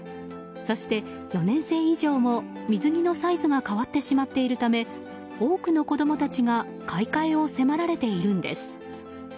そして、４年生以上も水着のサイズが変わってしまっているため多くの子供たちが買い替えを迫られているんです。